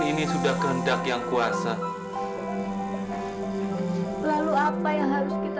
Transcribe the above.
tidak ada cara untuk balas kursi ayah